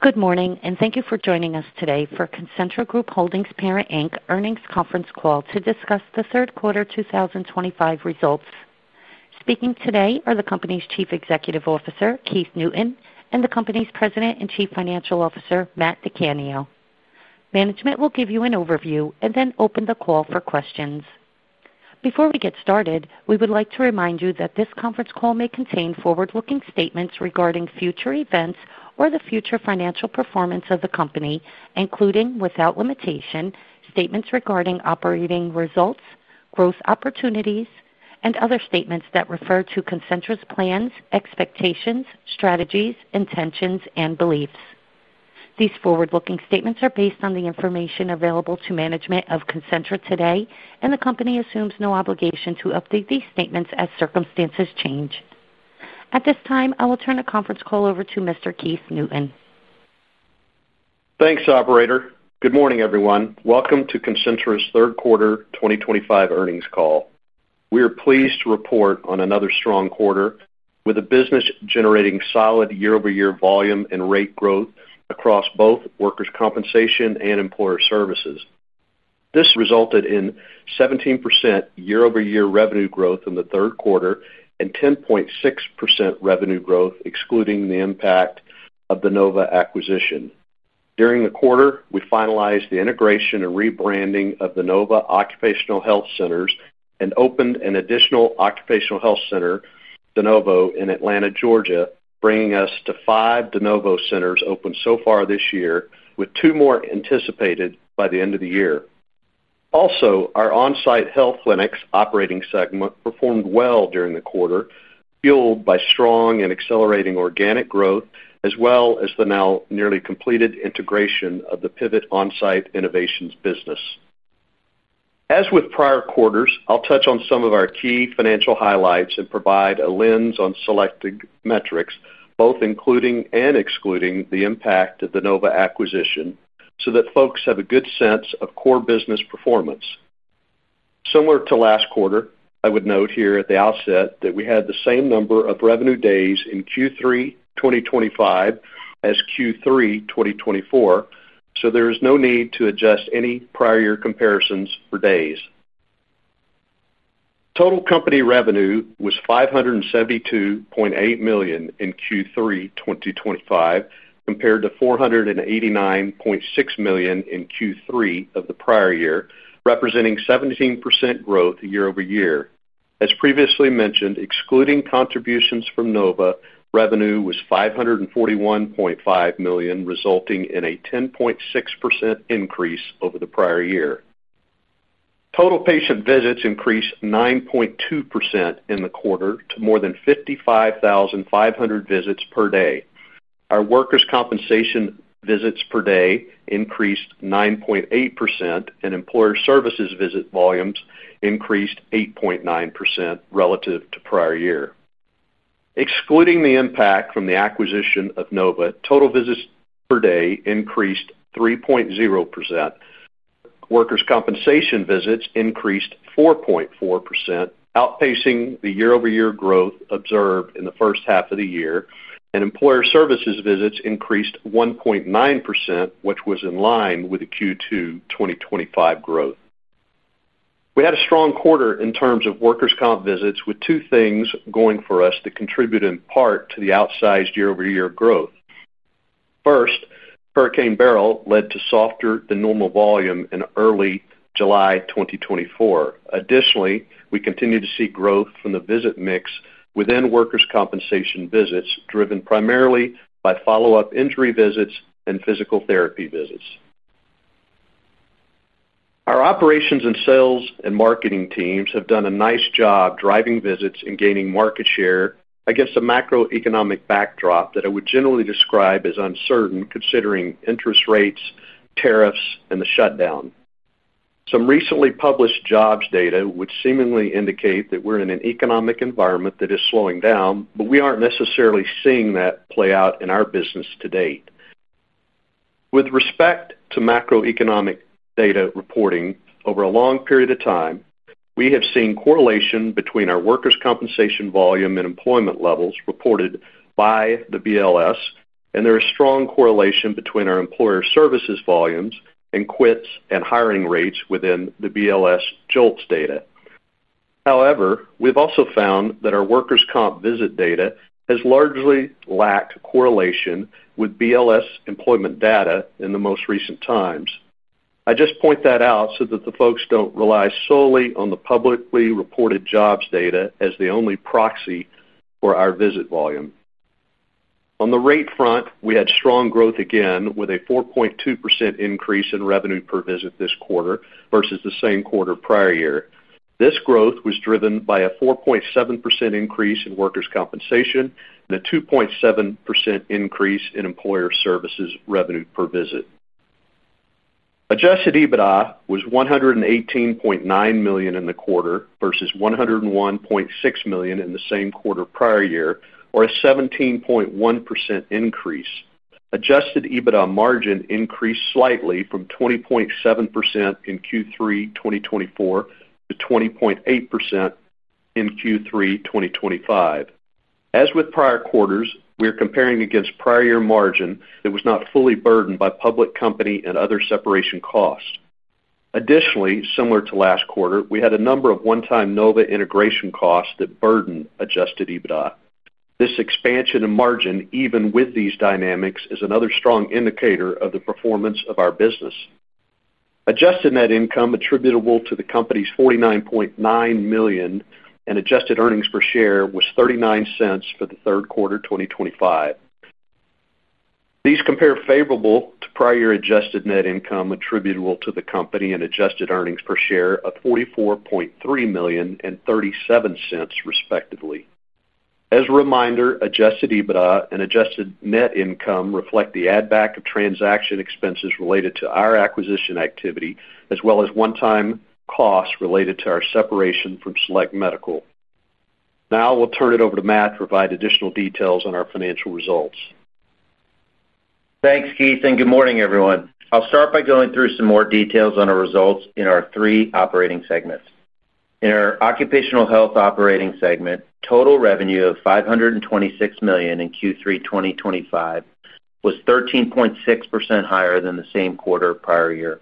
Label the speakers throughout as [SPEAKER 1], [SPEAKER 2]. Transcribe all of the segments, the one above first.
[SPEAKER 1] Good morning, and thank you for joining us today for Concentra Group Holdings Parent, Inc earnings conference call to discuss the third quarter 2025 results. Speaking today are the company's Chief Executive Officer, Keith Newton, and the company's President and Chief Financial Officer, Matt DiCanio. Management will give you an overview and then open the call for questions. Before we get started, we would like to remind you that this conference call may contain forward-looking statements regarding future events or the future financial performance of the company, including, without limitation, statements regarding operating results, growth opportunities, and other statements that refer to Concentra's plans, expectations, strategies, intentions, and beliefs. These forward-looking statements are based on the information available to management of Concentra today, and the company assumes no obligation to update these statements as circumstances change. At this time, I will turn the conference call over to Mr. Keith Newton.
[SPEAKER 2] Thanks, operator. Good morning, everyone. Welcome to Concentra's third quarter 2025 earnings call. We are pleased to report on another strong quarter, with the business generating solid year-over-year volume and rate growth across both workers' compensation and employer services. This resulted in 17% year-over-year revenue growth in the third quarter and 10.6% revenue growth, excluding the impact of the Nova acquisition. During the quarter, we finalized the integration and rebranding of the Nova Occupational Health Centers and opened an additional occupational health center, De Novo, in Atlanta, Georgia, bringing us to five De Novo Centers open so far this year, with two more anticipated by the end of the year. Also, our on-site health clinics operating segment performed well during the quarter, fueled by strong and accelerating organic growth, as well as the now nearly completed integration of the Pivot Onsite Innovations business. As with prior quarters, I'll touch on some of our key financial highlights and provide a lens on selected metrics, both including and excluding the impact of the Nova acquisition, so that folks have a good sense of core business performance. Similar to last quarter, I would note here at the outset that we had the same number of revenue days in Q3 2025 as Q3 2024, so there is no need to adjust any prior year comparisons for days. Total company revenue was $572.8 million in Q3 2025, compared to $489.6 million in Q3 of the prior year, representing 17% growth year-over-year. As previously mentioned, excluding contributions from Nova, revenue was $541.5 million, resulting in a 10.6% increase over the prior year. Total patient visits increased 9.2% in the quarter to more than 55,500 visits per day. Our workers' compensation visits per day increased 9.8%, and employer services visit volumes increased 8.9% relative to prior year. Excluding the impact from the acquisition of Nova, total visits per day increased 3.0%. Workers' compensation visits increased 4.4%, outpacing the year-over-year growth observed in the first half of the year, and employer services visits increased 1.9%, which was in line with Q2 2025 growth. We had a strong quarter in terms of workers' comp visits, with two things going for us that contribute in part to the outsized year-over-year growth. First, Hurricane Beryl led to softer than normal volume in early July 2024. Additionally, we continue to see growth from the visit mix within workers' compensation visits, driven primarily by follow-up injury visits and physical therapy visits. Our operations and sales and marketing teams have done a nice job driving visits and gaining market share against a macroeconomic backdrop that I would generally describe as uncertain, considering interest rates, tariffs, and the shutdown. Some recently published jobs data would seemingly indicate that we're in an economic environment that is slowing down, but we aren't necessarily seeing that play out in our business to date. With respect to macroeconomic data reporting, over a long period of time, we have seen correlation between our workers' compensation volume and employment levels reported by the BLS, and there is strong correlation between our employer services volumes and quits and hiring rates within the BLS JOLTS data. However, we've also found that our workers' comp visit data has largely lacked correlation with BLS employment data in the most recent times. I just point that out so that the folks do not rely solely on the publicly reported jobs data as the only proxy for our visit volume. On the rate front, we had strong growth again, with a 4.2% increase in revenue per visit this quarter versus the same quarter prior year. This growth was driven by a 4.7% increase in workers' compensation and a 2.7% increase in employer services revenue per visit. Adjusted EBITDA was $118.9 million in the quarter versus $101.6 million in the same quarter prior year, or a 17.1% increase. Adjusted EBITDA margin increased slightly from 20.7% in Q3 2024 to 20.8% in Q3 2025. As with prior quarters, we are comparing against prior year margin that was not fully burdened by public company and other separation costs. Additionally, similar to last quarter, we had a number of one-time Nova integration costs that burdened adjusted EBITDA. This expansion in margin, even with these dynamics, is another strong indicator of the performance of our business. Adjusted net income attributable to the company is $49.9 million and adjusted earnings per share was $0.39 for the third quarter 2025. These compare favorably to prior year adjusted net income attributable to the company and adjusted earnings per share of $44.3 million and $0.37, respectively. As a reminder, adjusted EBITDA and adjusted net income reflect the add-back of transaction expenses related to our acquisition activity, as well as one-time costs related to our separation from Select Medical. Now I will turn it over to Matt to provide additional details on our financial results.
[SPEAKER 3] Thanks, Keith, and good morning, everyone. I'll start by going through some more details on our results in our three operating segments. In our occupational health operating segment, total revenue of $526 million in Q3 2025 was 13.6% higher than the same quarter prior year.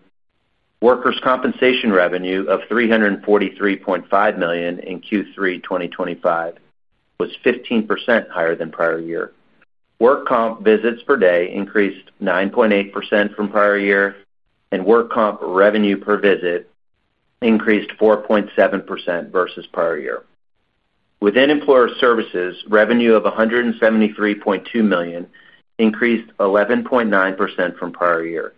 [SPEAKER 3] Workers' compensation revenue of $343.5 million in Q3 2025 was 15% higher than prior year. Work comp visits per day increased 9.8% from prior year, and work comp revenue per visit increased 4.7% versus prior year. Within employer services, revenue of $173.2 million increased 11.9% from prior year.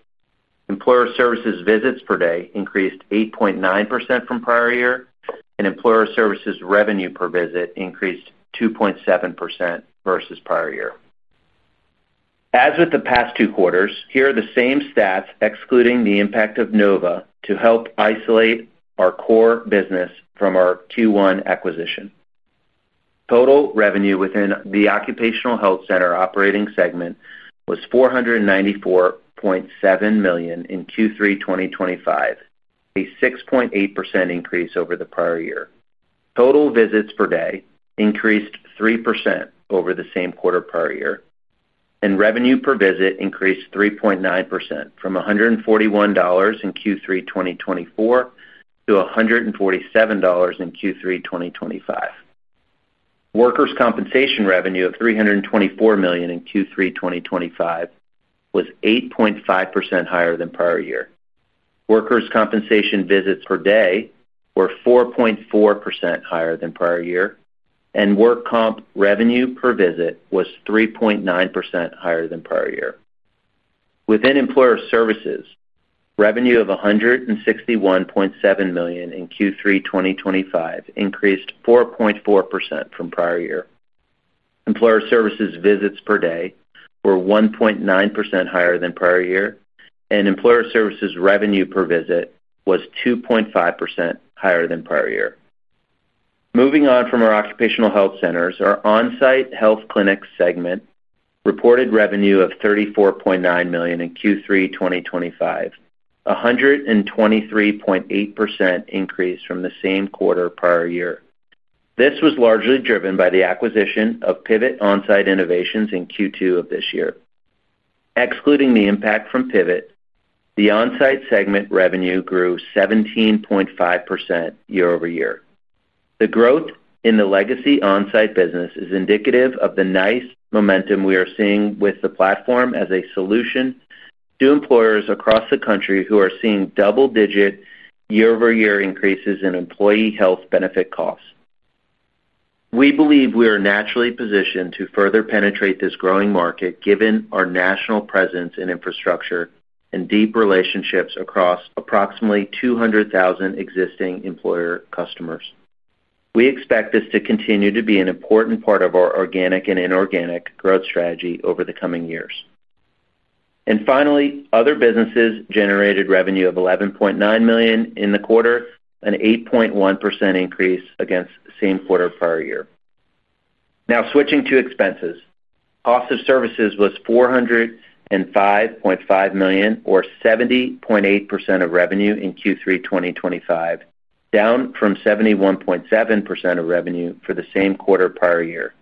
[SPEAKER 3] Employer services visits per day increased 8.9% from prior year, and employer services revenue per visit increased 2.7% versus prior year. As with the past two quarters, here are the same stats excluding the impact of Nova to help isolate our core business from our Q1 acquisition. Total revenue within the occupational health center operating segment was $494.7 million in Q3 2025, a 6.8% increase over the prior year. Total visits per day increased 3% over the same quarter prior year, and revenue per visit increased 3.9% from $141 in Q3 2024 to $147 in Q3 2025. Workers' compensation revenue of $324 million in Q3 2025 was 8.5% higher than prior year. Workers' compensation visits per day were 4.4% higher than prior year, and work comp revenue per visit was 3.9% higher than prior year. Within employer services, revenue of $161.7 million in Q3 2025 increased 4.4% from prior year. Employer services visits per day were 1.9% higher than prior year, and employer services revenue per visit was 2.5% higher than prior year. Moving on from our occupational health centers, our on-site health clinics segment reported revenue of $34.9 million in Q3 2025, a 123.8% increase from the same quarter prior year. This was largely driven by the acquisition of Pivot Onsite Innovations in Q2 of this year. Excluding the impact from Pivot, the on-site segment revenue grew 17.5% year-over-year. The growth in the legacy on-site business is indicative of the nice momentum we are seeing with the platform as a solution to employers across the country who are seeing double-digit year-over-year increases in employee health benefit costs. We believe we are naturally positioned to further penetrate this growing market, given our national presence in infrastructure and deep relationships across approximately 200,000 existing employer customers. We expect this to continue to be an important part of our organic and inorganic growth strategy over the coming years. Finally, other businesses generated revenue of $11.9 million in the quarter, an 8.1% increase against the same quarter prior year. Now switching to expenses, cost of services was $405.5 million, or 70.8% of revenue in Q3 2025, down from 71.7% of revenue for the same quarter prior year.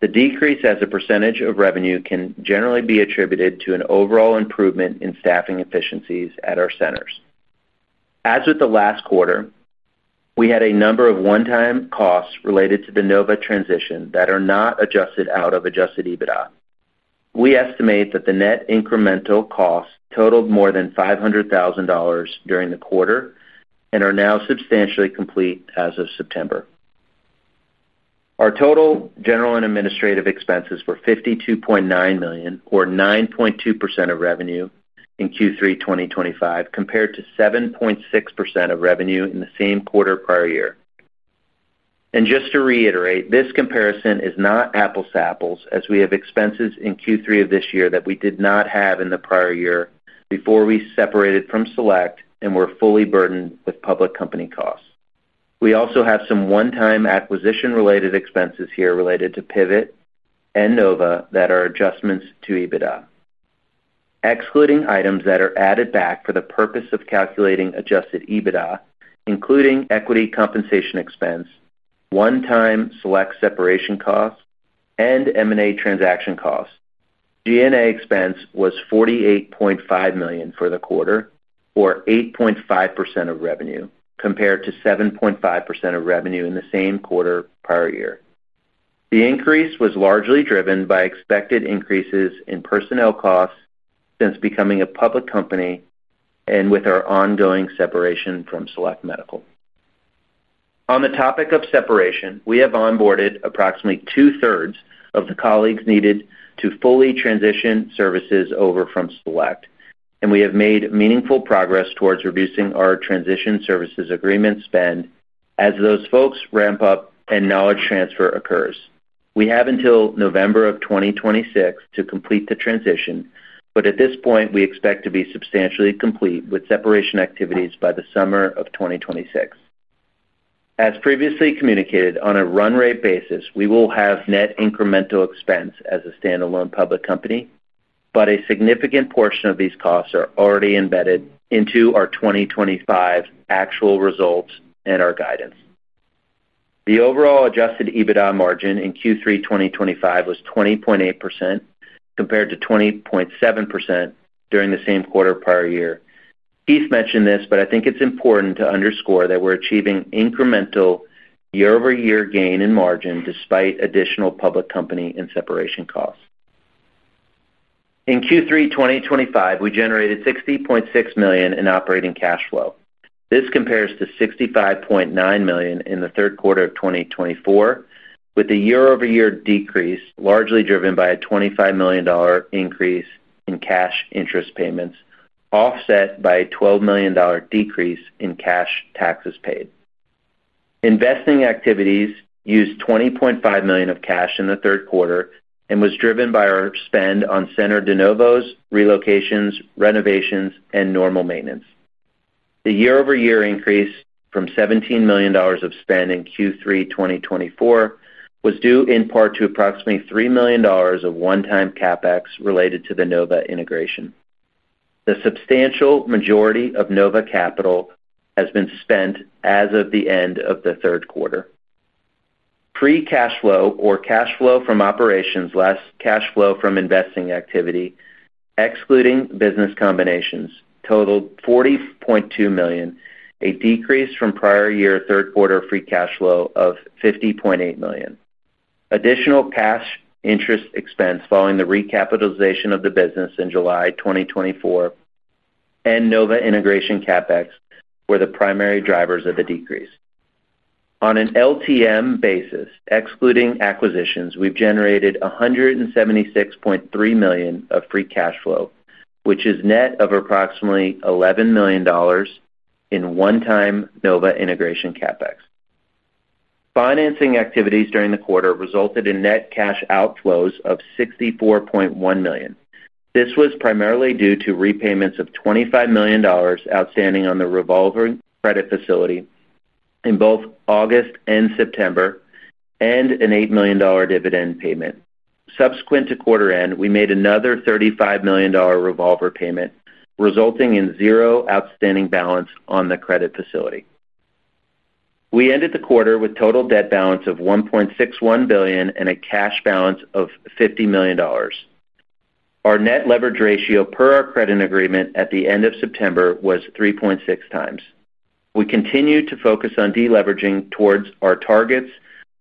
[SPEAKER 3] The decrease as a percentage of revenue can generally be attributed to an overall improvement in staffing efficiencies at our centers. As with the last quarter, we had a number of one-time costs related to the Nova transition that are not adjusted out of adjusted EBITDA. We estimate that the net incremental costs totaled more than $500,000 during the quarter and are now substantially complete as of September. Our total general and administrative expenses were $52.9 million, or 9.2% of revenue in Q3 2025, compared to 7.6% of revenue in the same quarter prior year. Just to reiterate, this comparison is not apples to apples, as we have expenses in Q3 of this year that we did not have in the prior year before we separated from Select and were fully burdened with public company costs. We also have some one-time acquisition-related expenses here related to Pivot and Nova that are adjustments to EBITDA. Excluding items that are added back for the purpose of calculating adjusted EBITDA, including equity compensation expense, one-time Select separation costs, and M&A transaction costs, G&A expense was $48.5 million for the quarter, or 8.5% of revenue, compared to 7.5% of revenue in the same quarter prior year. The increase was largely driven by expected increases in personnel costs since becoming a public company and with our ongoing separation from Select Medical. On the topic of separation, we have onboarded approximately two-thirds of the colleagues needed to fully transition services over from Select, and we have made meaningful progress towards reducing our transition services agreement spend as those folks ramp up and knowledge transfer occurs. We have until November of 2026 to complete the transition, but at this point, we expect to be substantially complete with separation activities by the summer of 2026. As previously communicated, on a run rate basis, we will have net incremental expense as a standalone public company, but a significant portion of these costs are already embedded into our 2025 actual results and our guidance. The overall adjusted EBITDA margin in Q3 2025 was 20.8% compared to 20.7% during the same quarter prior year. Keith mentioned this, but I think it's important to underscore that we're achieving incremental year-over-year gain in margin despite additional public company and separation costs. In Q3 2025, we generated $60.6 million in operating cash flow. This compares to $65.9 million in the third quarter of 2024, with a year-over-year decrease largely driven by a $25 million increase in cash interest payments, offset by a $12 million decrease in cash taxes paid. Investing activities used $20.5 million of cash in the third quarter and was driven by our spend on center De Novo's relocations, renovations, and normal maintenance. The year-over-year increase from $17 million of spend in Q3 2024 was due in part to approximately $3 million of one-time CapEx related to the Nova integration. The substantial majority of Nova capital has been spent as of the end of the third quarter. Free cash flow, or cash flow from operations less cash flow from investing activity, excluding business combinations, totaled $40.2 million, a decrease from prior year third quarter free cash flow of $50.8 million. Additional cash interest expense following the recapitalization of the business in July 2024 and Nova integration CapEx were the primary drivers of the decrease. On an LTM basis, excluding acquisitions, we've generated $176.3 million of free cash flow, which is net of approximately $11 million in one-time Nova integration CapEx. Financing activities during the quarter resulted in net cash outflows of $64.1 million. This was primarily due to repayments of $25 million outstanding on the revolving credit facility in both August and September and an $8 million dividend payment. Subsequent to quarter end, we made another $35 million revolver payment, resulting in zero outstanding balance on the credit facility. We ended the quarter with total debt balance of $1.61 billion and a cash balance of $50 million. Our net leverage ratio per our credit agreement at the end of September was 3.6x. We continue to focus on deleveraging towards our targets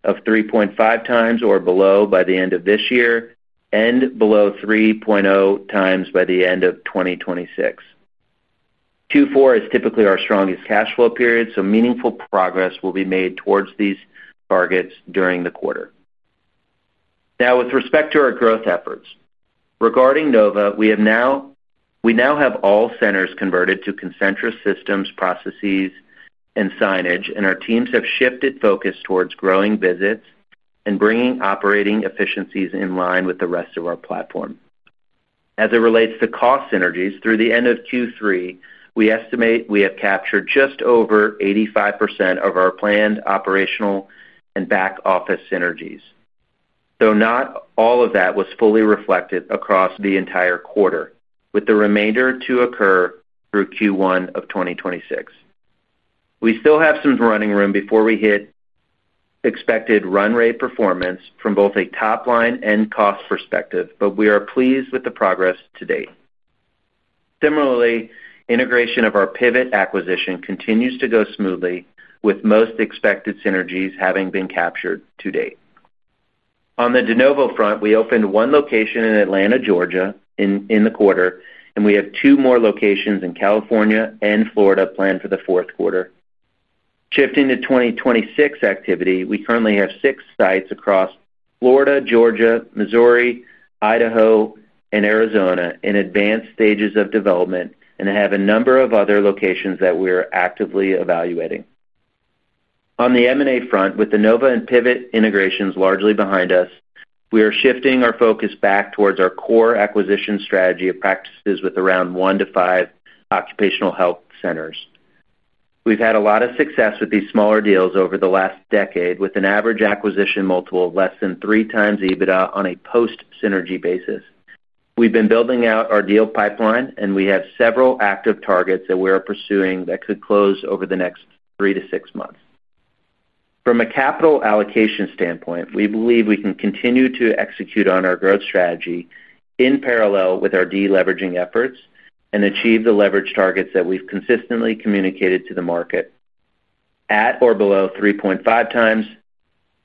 [SPEAKER 3] of 3.5x or below by the end of this year and below 3.0x by the end of 2026. Q4 is typically our strongest cash flow period, so meaningful progress will be made towards these targets during the quarter. Now, with respect to our growth efforts, regarding Nova, we now have all centers converted to Concentra systems, processes, and signage, and our teams have shifted focus towards growing visits and bringing operating efficiencies in line with the rest of our platform. As it relates to cost synergies, through the end of Q3, we estimate we have captured just over 85% of our planned operational and back office synergies, though not all of that was fully reflected across the entire quarter, with the remainder to occur through Q1 of 2026. We still have some running room before we hit expected run rate performance from both a top-line and cost perspective, but we are pleased with the progress to date. Similarly, integration of our Pivot acquisition continues to go smoothly, with most expected synergies having been captured to date. On the De Novo front, we opened one location in Atlanta, Georgia, in the quarter, and we have two more locations in California and Florida planned for the fourth quarter. Shifting to 2026 activity, we currently have six sites across Florida, Georgia, Missouri, Idaho, and Arizona in advanced stages of development and have a number of other locations that we're actively evaluating. On the M&A front, with the Nova and Pivot integrations largely behind us, we are shifting our focus back towards our core acquisition strategy of practices with around one to five occupational health centers. We've had a lot of success with these smaller deals over the last decade, with an average acquisition multiple less than 3x EBITDA on a post-synergy basis. We've been building out our deal pipeline, and we have several active targets that we are pursuing that could close over the next three to six months. From a capital allocation standpoint, we believe we can continue to execute on our growth strategy in parallel with our deleveraging efforts and achieve the leverage targets that we've consistently communicated to the market: at or below 3.5x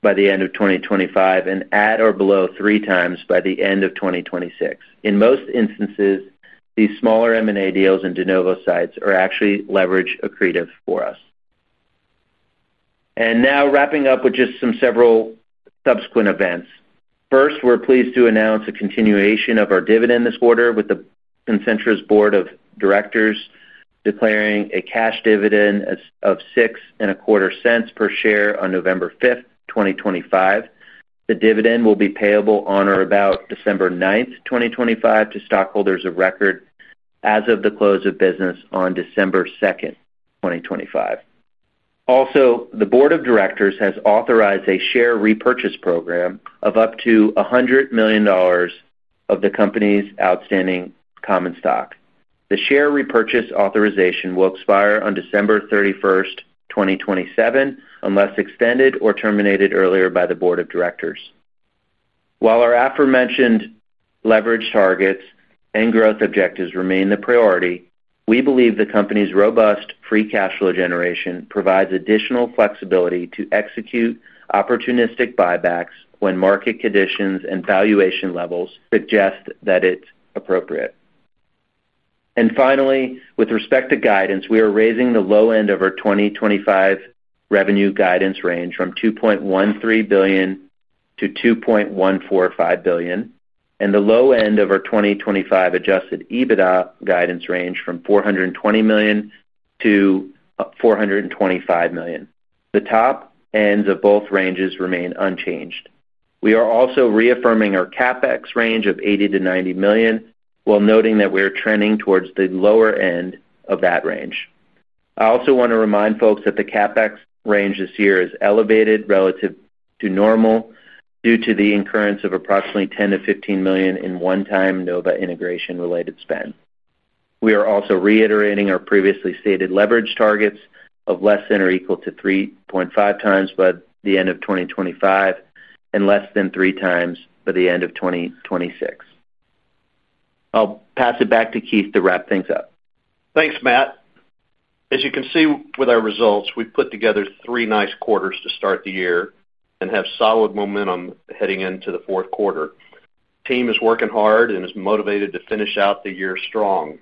[SPEAKER 3] by the end of 2025 and at or below 3x by the end of 2026. In most instances, these smaller M&A deals and De Novo sites are actually leverage accretive for us. Now wrapping up with just some several subsequent events. First, we're pleased to announce a continuation of our dividend this quarter, with Concentra's Board of Directors declaring a cash dividend of $0.0625 per share on November 5th, 2025. The dividend will be payable on or about December 9th, 2025, to stockholders of record as of the close of business on December 2nd, 2025. Also, the Board of Directors has authorized a share repurchase program of up to $100 million of the company's outstanding common stock. The share repurchase authorization will expire on December 31st, 2027, unless extended or terminated earlier by the Board of Directors. While our aforementioned leverage targets and growth objectives remain the priority, we believe the company's robust free cash flow generation provides additional flexibility to execute opportunistic buybacks when market conditions and valuation levels suggest that it's appropriate. Finally, with respect to guidance, we are raising the low end of our 2025 revenue guidance range from $2.13 billion to $2.145 billion, and the low end of our 2025 adjusted EBITDA guidance range from $420 million to $425 million. The top ends of both ranges remain unchanged. We are also reaffirming our CapEx range of $80 million-$90 million, while noting that we are trending towards the lower end of that range. I also want to remind folks that the CapEx range this year is elevated relative to normal due to the incurrence of approximately $10 million-$15 million in one-time Nova integration-related spend. We are also reiterating our previously stated leverage targets of less than or equal to 3.5x by the end of 2025 and less than 3x by the end of 2026. I'll pass it back to Keith to wrap things up.
[SPEAKER 2] Thanks, Matt. As you can see with our results, we've put together three nice quarters to start the year and have solid momentum heading into the fourth quarter. The team is working hard and is motivated to finish out the year strong.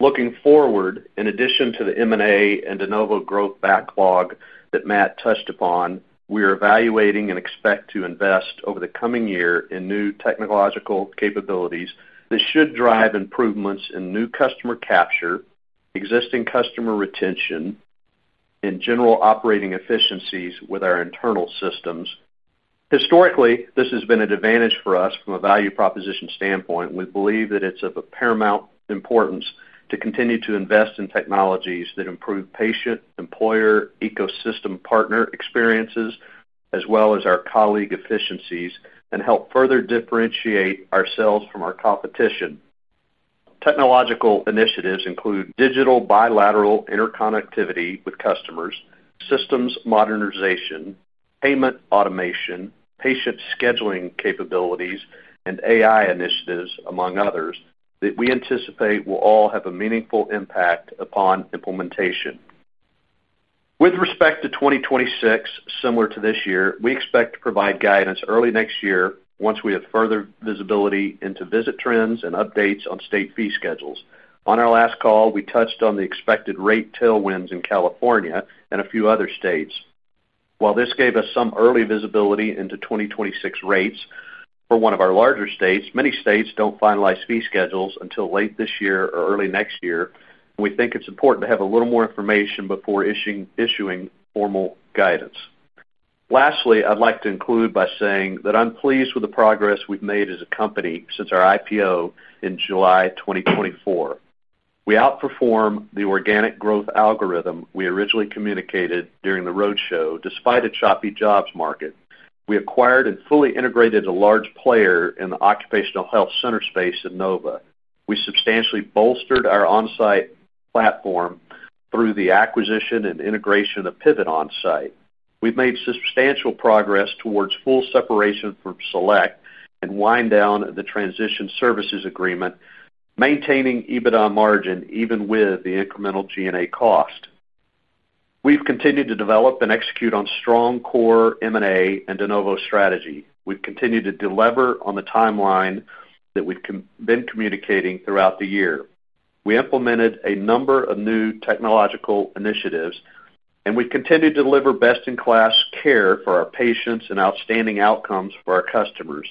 [SPEAKER 2] Looking forward, in addition to the M&A and De Novo growth backlog that Matt touched upon, we are evaluating and expect to invest over the coming year in new technological capabilities that should drive improvements in new customer capture, existing customer retention, and general operating efficiencies with our internal systems. Historically, this has been an advantage for us from a value proposition standpoint. We believe that it's of paramount importance to continue to invest in technologies that improve patient, employer, ecosystem partner experiences, as well as our colleague efficiencies and help further differentiate ourselves from our competition. Technological initiatives include digital bilateral interconnectivity with customers, systems modernization, payment automation, patient scheduling capabilities, and AI initiatives, among others, that we anticipate will all have a meaningful impact upon implementation. With respect to 2026, similar to this year, we expect to provide guidance early next year once we have further visibility into visit trends and updates on state fee schedules. On our last call, we touched on the expected rate tailwinds in California and a few other states. While this gave us some early visibility into 2026 rates for one of our larger states, many states do not finalize fee schedules until late this year or early next year, and we think it is important to have a little more information before issuing formal guidance. Lastly, I would like to include by saying that I am pleased with the progress we have made as a company since our IPO in July 2024. We outperform the organic growth algorithm we originally communicated during the roadshow. Despite a choppy jobs market, we acquired and fully integrated a large player in the occupational health center space at Nova. We substantially bolstered our on-site platform through the acquisition and integration of Pivot Onsite. We've made substantial progress towards full separation from Select and wind down the transition services agreement, maintaining EBITDA margin even with the incremental G&A cost. We've continued to develop and execute on strong core M&A and De Novo strategy. We've continued to deliver on the timeline that we've been communicating throughout the year. We implemented a number of new technological initiatives, and we've continued to deliver best-in-class care for our patients and outstanding outcomes for our customers.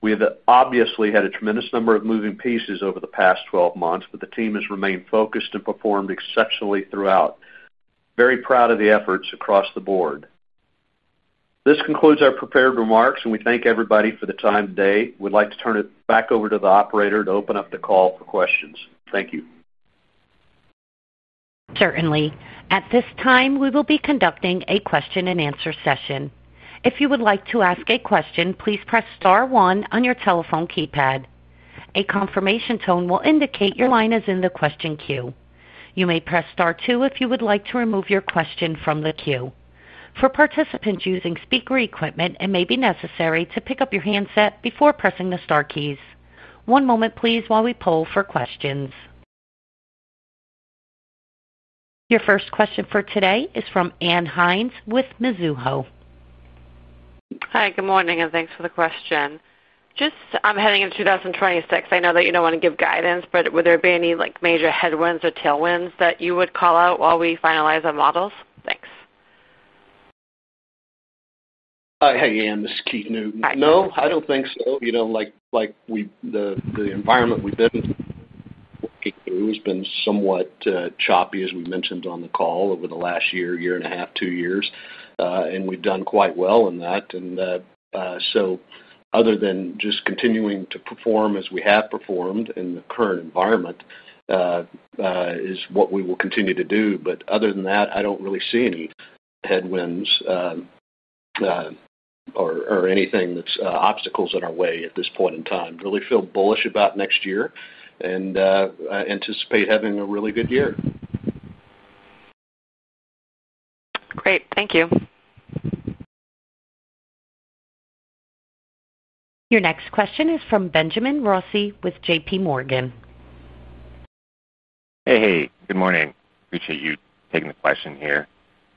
[SPEAKER 2] We have obviously had a tremendous number of moving pieces over the past 12 months, but the team has remained focused and performed exceptionally throughout. Very proud of the efforts across the board. This concludes our prepared remarks, and we thank everybody for the time today. We would like to turn it back over to the operator to open up the call for questions. Thank you.
[SPEAKER 1] Certainly. At this time, we will be conducting a question-and-answer session. If you would like to ask a question, please press star one on your telephone keypad. A confirmation tone will indicate your line is in the question queue. You may press star two if you would like to remove your question from the queue. For participants using speaker equipment, it may be necessary to pick up your handset before pressing the star keys. One moment, please, while we poll for questions. Your first question for today is from Ann Hynes with Mizuho.
[SPEAKER 4] Hi, good morning, and thanks for the question. Just, I'm heading into 2026. I know that you don't want to give guidance, but would there be any major headwinds or tailwinds that you would call out while we finalize our models? Thanks.
[SPEAKER 2] Hi, hey, Ann. This is Keith Newton.
[SPEAKER 4] Hi, Keith.
[SPEAKER 2] No, I do not think so. Like the environment we have been working through has been somewhat choppy, as we mentioned on the call, over the last year, year and a half, two years, and we have done quite well in that. Other than just continuing to perform as we have performed in the current environment is what we will continue to do. Other than that, I do not really see any headwinds or anything that is obstacles in our way at this point in time. Really feel bullish about next year and anticipate having a really good year.
[SPEAKER 4] Great. Thank you.
[SPEAKER 1] Your next question is from Benjamin Rossi with JPMorgan.
[SPEAKER 5] Hey, hey. Good morning. Appreciate you taking the question here.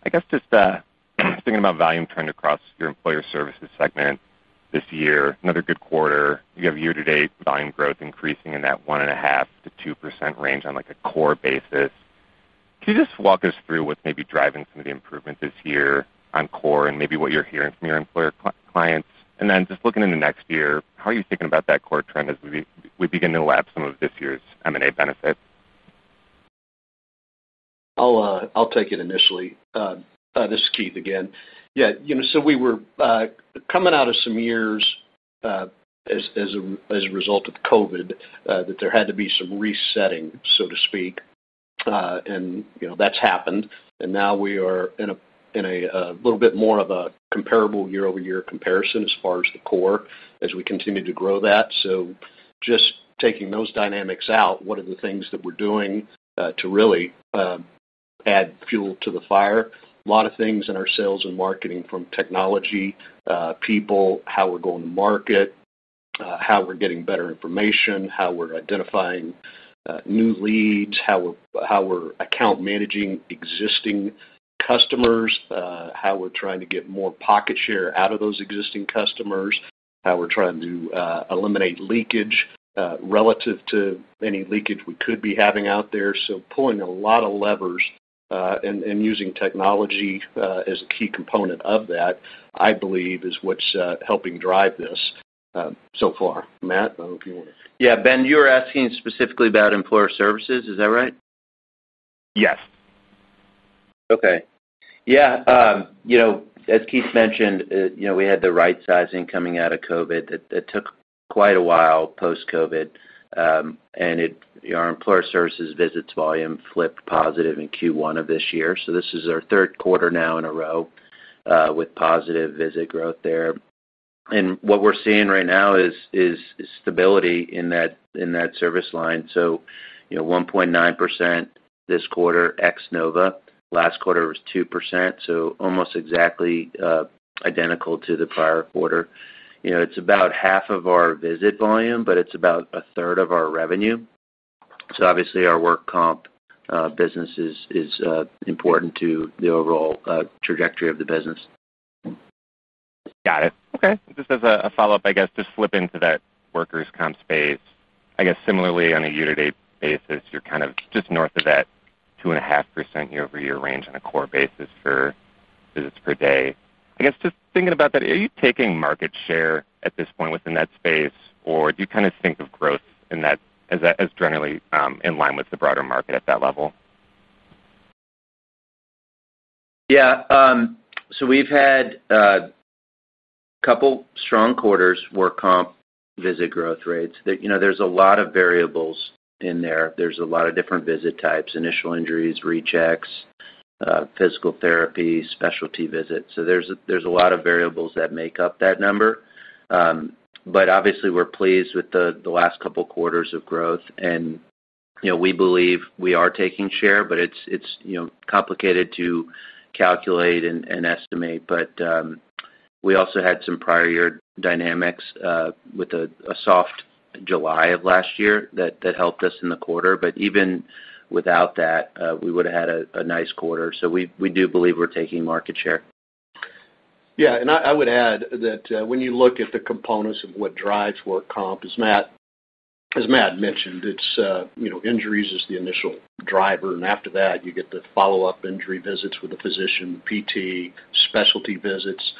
[SPEAKER 5] I guess just thinking about volume trend across your employer services segment this year, another good quarter, you have year-to-date volume growth increasing in that 1.5%-2% range on a core basis. Can you just walk us through what's maybe driving some of the improvement this year on core and maybe what you're hearing from your employer clients? Then just looking into next year, how are you thinking about that core trend as we begin to lap some of this year's M&A benefits?
[SPEAKER 2] I'll take it initially. This is Keith again. Yeah, we were coming out of some years as a result of COVID that there had to be some resetting, so to speak, and that's happened. Now we are in a little bit more of a comparable year-over-year comparison as far as the core as we continue to grow that. Just taking those dynamics out, what are the things that we're doing to really add fuel to the fire? A lot of things in our sales and marketing from technology, people, how we're going to market, how we're getting better information, how we're identifying new leads, how we're account managing existing customers, how we're trying to get more pocket share out of those existing customers, how we're trying to eliminate leakage relative to any leakage we could be having out there. Pulling a lot of levers and using technology as a key component of that, I believe, is what's helping drive this so far. Matt, I don't know if you want to.
[SPEAKER 3] Yeah, Ben, you were asking specifically about employer services. Is that right?
[SPEAKER 5] Yes.
[SPEAKER 3] Okay. Yeah. As Keith mentioned, we had the right-sizing coming out of COVID. It took quite a while post-COVID, and our employer services visits volume flipped positive in Q1 of this year. This is our third quarter now in a row with positive visit growth there. What we are seeing right now is stability in that service line. 1.9% this quarter ex Nova. Last quarter was 2%, so almost exactly identical to the prior quarter. It is about half of our visit volume, but it is about a third of our revenue. Obviously, our work comp business is important to the overall trajectory of the business.
[SPEAKER 5] Got it. Okay. Just as a follow-up, I guess, to slip into that workers' comp space, I guess similarly on a year-to-date basis, you're kind of just north of that 2.5% year-over-year range on a core basis for visits per day. I guess just thinking about that, are you taking market share at this point within that space, or do you kind of think of growth in that as generally in line with the broader market at that level?
[SPEAKER 3] Yeah. So we've had a couple strong quarters, work comp visit growth rates. There's a lot of variables in there. There's a lot of different visit types: initial injuries, rechecks, physical therapy, specialty visits. There's a lot of variables that make up that number. Obviously, we're pleased with the last couple quarters of growth, and we believe we are taking share, but it's complicated to calculate and estimate. We also had some prior year dynamics with a soft July of last year that helped us in the quarter. Even without that, we would have had a nice quarter. We do believe we're taking market share.
[SPEAKER 2] Yeah. I would add that when you look at the components of what drives work comp, as Matt mentioned, injuries is the initial driver. After that, you get the follow-up injury visits with the physician, PT, specialty visits.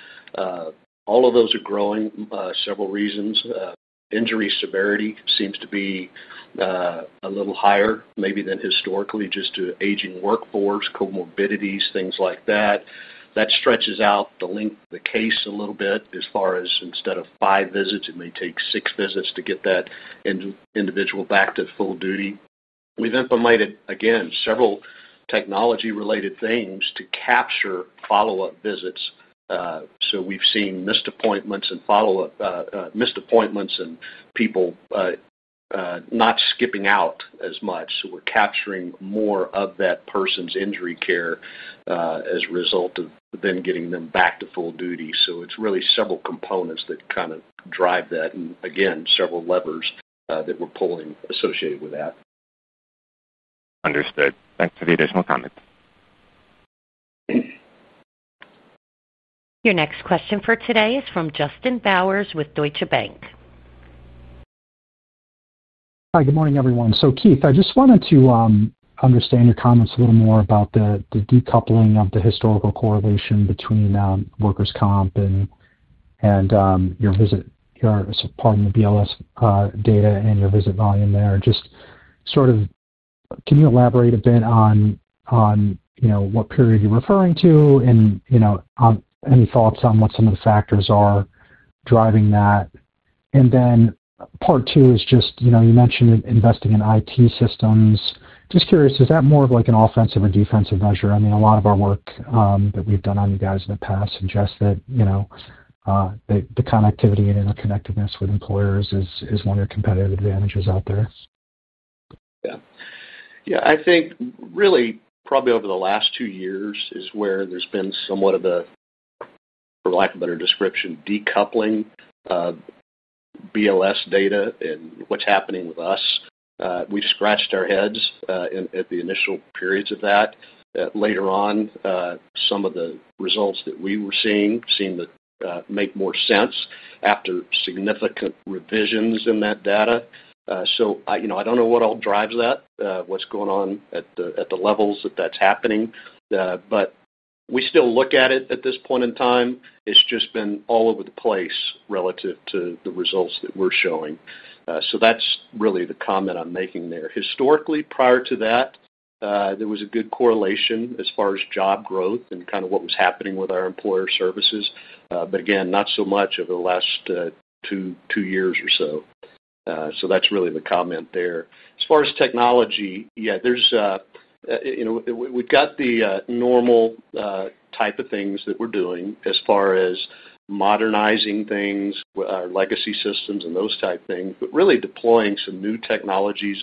[SPEAKER 2] All of those are growing for several reasons. Injury severity seems to be a little higher maybe than historically just due to aging workforce, comorbidities, things like that. That stretches out the case a little bit as far as instead of five visits, it may take six visits to get that individual back to full duty. We've implemented, again, several technology-related things to capture follow-up visits. We've seen missed appointments and follow-up missed appointments and people not skipping out as much. We're capturing more of that person's injury care as a result of then getting them back to full duty. It's really several components that kind of drive that. Again, several levers that we're pulling associated with that.
[SPEAKER 5] Understood. Thanks for the additional comments.
[SPEAKER 1] Your next question for today is from Justin Bowers with Deutsche Bank.
[SPEAKER 6] Hi, good morning, everyone. Keith, I just wanted to understand your comments a little more about the decoupling of the historical correlation between workers' comp and your visit, pardon me, BLS data and your visit volume there. Can you elaborate a bit on what period you're referring to and any thoughts on what some of the factors are driving that? Part two is just you mentioned investing in IT systems. Just curious, is that more of an offensive or defensive measure? I mean, a lot of our work that we've done on you guys in the past suggests that the connectivity and interconnectedness with employers is one of your competitive advantages out there.
[SPEAKER 2] Yeah. Yeah. I think really probably over the last two years is where there's been somewhat of a, for lack of a better description, decoupling BLS data and what's happening with us. We've scratched our heads at the initial periods of that. Later on, some of the results that we were seeing seemed to make more sense after significant revisions in that data. I don't know what all drives that, what's going on at the levels that that's happening. We still look at it at this point in time. It's just been all over the place relative to the results that we're showing. That's really the comment I'm making there. Historically, prior to that, there was a good correlation as far as job growth and kind of what was happening with our employer services. Again, not so much over the last two years or so. That's really the comment there. As far as technology, yeah, we've got the normal type of things that we're doing as far as modernizing things, our legacy systems, and those type things, but really deploying some new technologies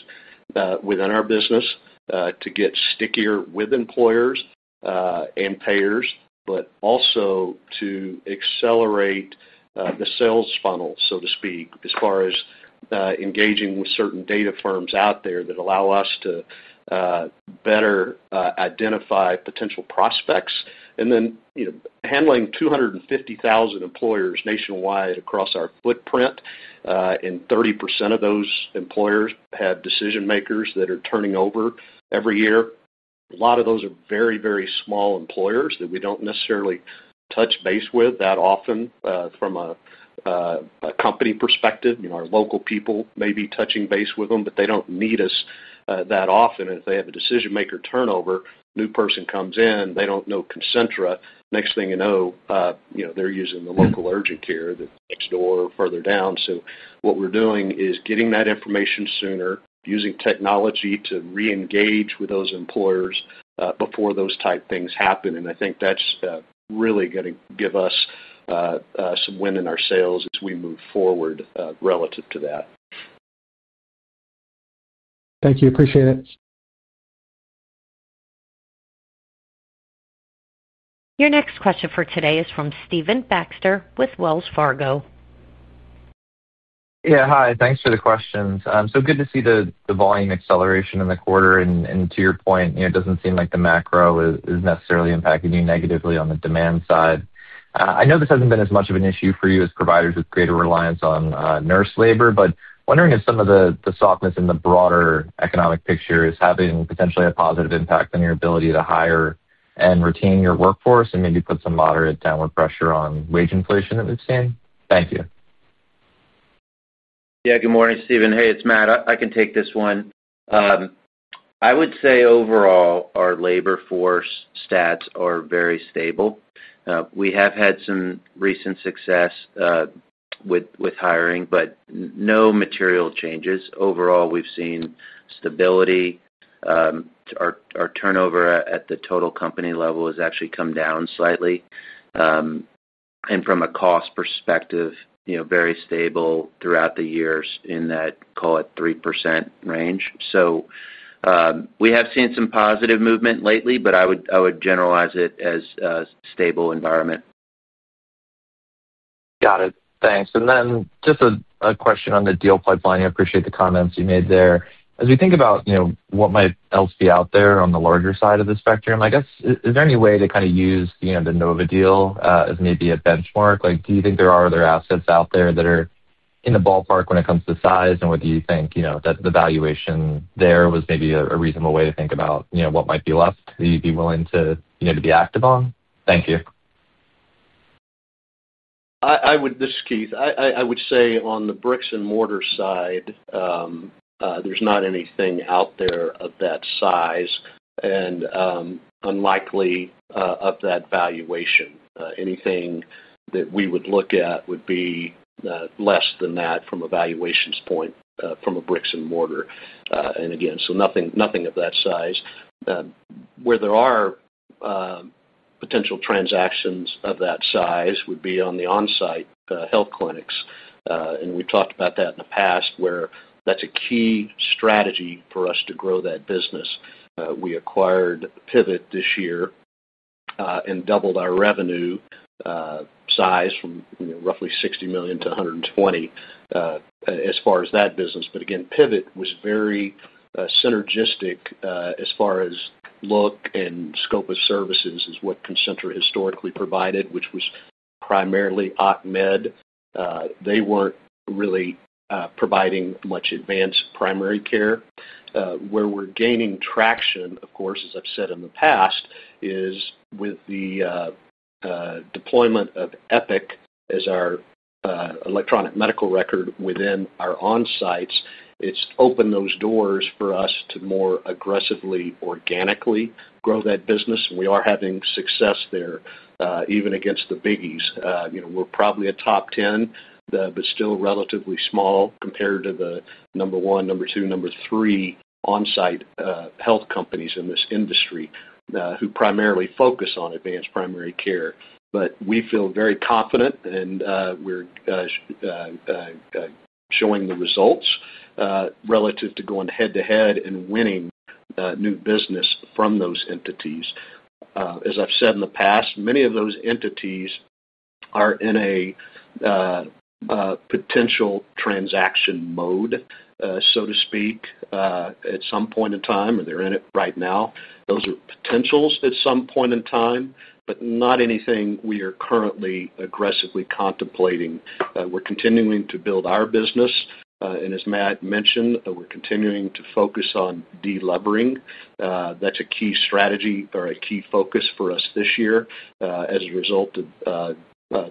[SPEAKER 2] within our business to get stickier with employers and payers, but also to accelerate the sales funnel, so to speak, as far as engaging with certain data firms out there that allow us to better identify potential prospects. Then handling 250,000 employers nationwide across our footprint, and 30% of those employers have decision-makers that are turning over every year. A lot of those are very, very small employers that we do not necessarily touch base with that often from a company perspective. Our local people may be touching base with them, but they do not need us that often. If they have a decision-maker turnover, new person comes in, they do not know Concentra. Next thing you know, they are using the local urgent care that is next door or further down. What we are doing is getting that information sooner, using technology to re-engage with those employers before those type things happen. I think that is really going to give us some wind in our sails as we move forward relative to that.
[SPEAKER 6] Thank you. Appreciate it.
[SPEAKER 1] Your next question for today is from Stephen Baxter with Wells Fargo.
[SPEAKER 7] Yeah. Hi. Thanks for the questions. Good to see the volume acceleration in the quarter. To your point, it does not seem like the macro is necessarily impacting you negatively on the demand side. I know this has not been as much of an issue for you as providers with greater reliance on nurse labor, but wondering if some of the softness in the broader economic picture is having potentially a positive impact on your ability to hire and retain your workforce and maybe put some moderate downward pressure on wage inflation that we have seen. Thank you.
[SPEAKER 3] Yeah. Good morning, Stephen. Hey, it's Matt. I can take this one. I would say overall, our labor force stats are very stable. We have had some recent success with hiring, but no material changes. Overall, we've seen stability. Our turnover at the total company level has actually come down slightly. From a cost perspective, very stable throughout the years in that, call it, 3% range. We have seen some positive movement lately, but I would generalize it as a stable environment.
[SPEAKER 7] Got it. Thanks. Then just a question on the deal pipeline. I appreciate the comments you made there. As we think about what might else be out there on the larger side of the spectrum, I guess, is there any way to kind of use the Nova deal as maybe a benchmark? Do you think there are other assets out there that are in the ballpark when it comes to size and whether you think that the valuation there was maybe a reasonable way to think about what might be left that you'd be willing to be active on? Thank you.
[SPEAKER 2] This is Keith. I would say on the bricks and mortar side, there's not anything out there of that size and unlikely of that valuation. Anything that we would look at would be less than that from a valuations point from a bricks and mortar. Again, nothing of that size. Where there are potential transactions of that size would be on the on-site health clinics. We have talked about that in the past where that's a key strategy for us to grow that business. We acquired Pivot this year and doubled our revenue size from roughly $60 million to $120 million as far as that business. Again, Pivot was very synergistic as far as look and scope of services is what Concentra historically provided, which was primarily OccMed. They weren't really providing much advanced primary care. Where we're gaining traction, of course, as I've said in the past, is with the deployment of Epic as our electronic medical record within our on-sites. It's opened those doors for us to more aggressively, organically grow that business. We are having success there even against the biggies. We're probably a top 10, but still relatively small compared to the number one, number two, number three on-site health companies in this industry who primarily focus on advanced primary care. We feel very confident, and we're showing the results relative to going head-to-head and winning new business from those entities. As I've said in the past, many of those entities are in a potential transaction mode, so to speak, at some point in time, or they're in it right now. Those are potentials at some point in time, but not anything we are currently aggressively contemplating. We're continuing to build our business. As Matt mentioned, we're continuing to focus on delevering. That's a key strategy or a key focus for us this year as a result of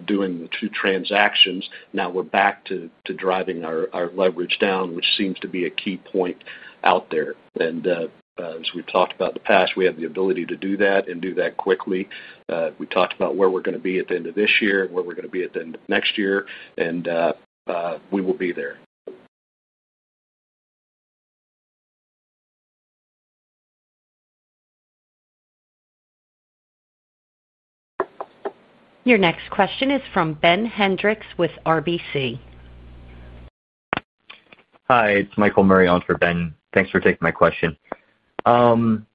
[SPEAKER 2] doing the two transactions. Now we're back to driving our leverage down, which seems to be a key point out there. As we've talked about in the past, we have the ability to do that and do that quickly. We talked about where we're going to be at the end of this year, where we're going to be at the end of next year, and we will be there.
[SPEAKER 1] Your next question is from Ben Hendrix with RBC.
[SPEAKER 8] Hi. It's Michael Murray on for Ben. Thanks for taking my question. While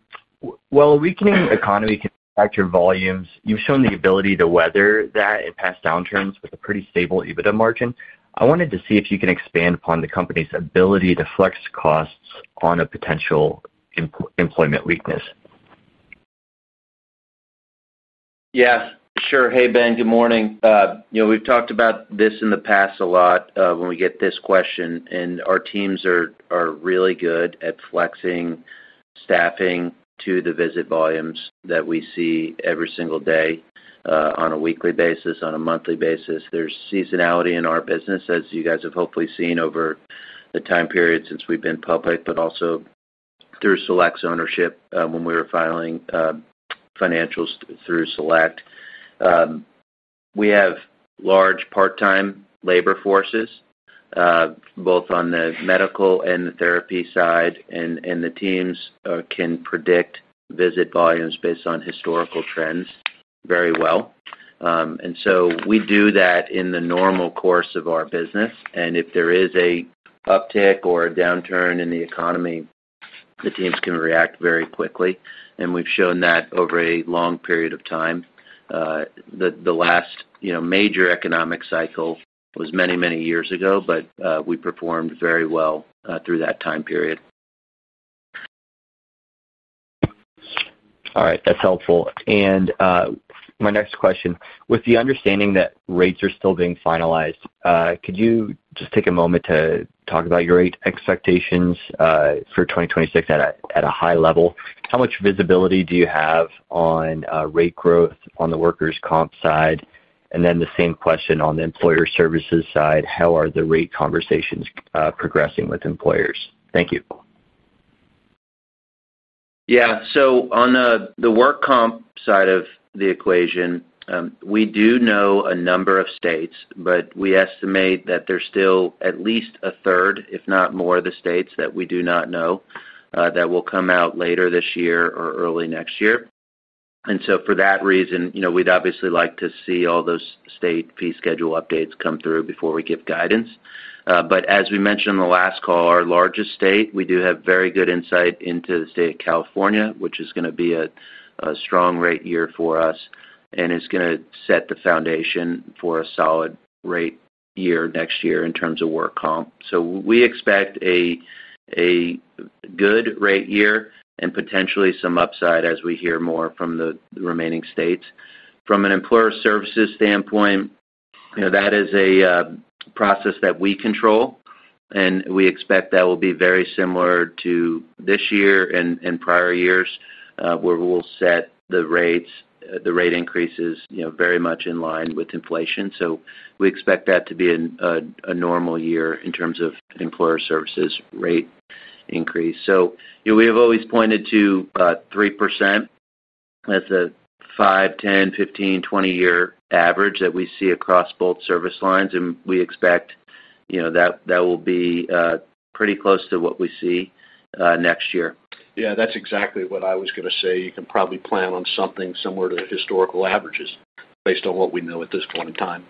[SPEAKER 8] a weakening economy can impact your volumes, you've shown the ability to weather that and past downturns with a pretty stable EBITDA margin. I wanted to see if you can expand upon the company's ability to flex costs on a potential employment weakness.
[SPEAKER 3] Yes. Sure. Hey, Ben. Good morning. We've talked about this in the past a lot when we get this question. Our teams are really good at flexing staffing to the visit volumes that we see every single day, on a weekly basis, on a monthly basis. There is seasonality in our business, as you guys have hopefully seen over the time period since we've been public, but also through Select's ownership when we were filing financials through Select. We have large part-time labor forces, both on the medical and the therapy side, and the teams can predict visit volumes based on historical trends very well. We do that in the normal course of our business. If there is an uptick or a downturn in the economy, the teams can react very quickly. We've shown that over a long period of time. The last major economic cycle was many, many years ago, but we performed very well through that time period.
[SPEAKER 8] All right. That's helpful. My next question, with the understanding that rates are still being finalized, could you just take a moment to talk about your rate expectations for 2026 at a high level? How much visibility do you have on rate growth on the workers' comp side? The same question on the employer services side, how are the rate conversations progressing with employers? Thank you.
[SPEAKER 3] Yeah. On the work comp side of the equation, we do know a number of states, but we estimate that there's still at least a third, if not more, of the states that we do not know that will come out later this year or early next year. For that reason, we'd obviously like to see all those state fee schedule updates come through before we give guidance. As we mentioned in the last call, our largest state, we do have very good insight into the state of California, which is going to be a strong rate year for us and is going to set the foundation for a solid rate year next year in terms of work comp. We expect a good rate year and potentially some upside as we hear more from the remaining states. From an employer services standpoint, that is a process that we control, and we expect that will be very similar to this year and prior years where we'll set the rate increases very much in line with inflation. We expect that to be a normal year in terms of employer services rate increase. We have always pointed to 3% as a 5, 10, 15, 20-year average that we see across both service lines. We expect that will be pretty close to what we see next year.
[SPEAKER 2] Yeah. That's exactly what I was going to say. You can probably plan on something similar to the historical averages based on what we know at this point in time.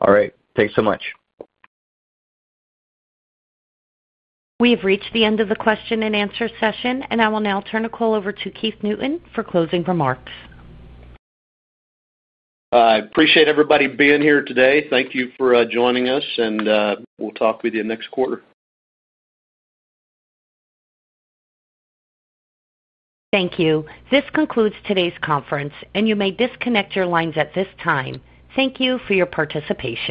[SPEAKER 8] All right. Thanks so much.
[SPEAKER 1] We have reached the end of the question-and-answer session, and I will now turn the call over to Keith Newton for closing remarks.
[SPEAKER 2] I appreciate everybody being here today. Thank you for joining us, and we'll talk with you next quarter.
[SPEAKER 1] Thank you. This concludes today's conference, and you may disconnect your lines at this time. Thank you for your participation.